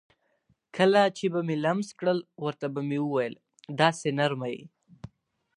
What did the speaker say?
کله چې به مې لمس کړل ورته به مې وویل: داسې نرمه یې.